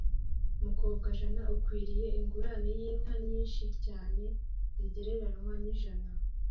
mukobwajana: ukwiriye ingurane y’inka nyinshi cyane zigereranywa n’ijana